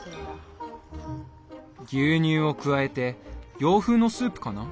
牛乳を加えて洋風のスープかな？